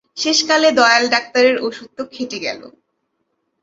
শেষকালে দয়াল ডাক্তারের ওষুধ তো খেটে গেল।